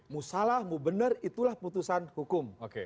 musalah mu benar itulah putusan hukum